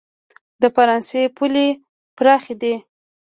د فرانسې پولې پراخې کړي.